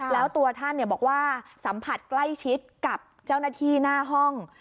แล้วตัวท่านบอกว่าสัมผัสใกล้ชิดกับเจ้าหน้าที่หน้าห้อง